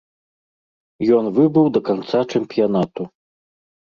Ён выбыў да канца чэмпіянату.